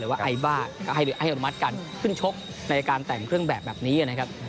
ว่าไอบ้าก็ให้อนุมัติการขึ้นชกในการแต่งเครื่องแบบแบบนี้นะครับ